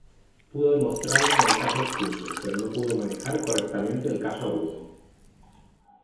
Pudo demostrarlo en el caso obtuso, pero no pudo manejar correctamente el caso agudo.